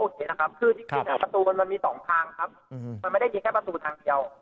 นะครับคือจริงประตูมันมี๒ทางครับมันไม่ได้มีแค่ประตูทางเดียว